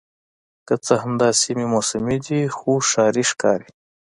که څه هم دا سیمې موسمي دي خو ښاري ښکاري